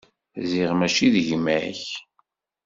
Ziɣ mačči d gma-k.